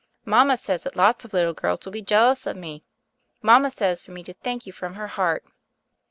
Mama says that lots of little girls will be jealous of me. Mama says for me to thank you from her heart."